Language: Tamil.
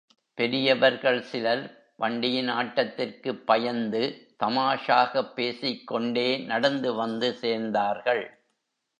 பெரியவர்கள் சிலர் வண்டியின் ஆட்டத்திற்குப் பயந்து தமாஷாகப் பேசிக்கொண்டே நடந்து வந்து சேர்ந்தார்கள்.